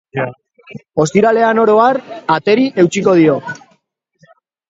Ostiralean, oro har, ateri eutsiko dio.